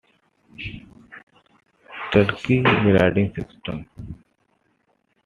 Turnkey grading system.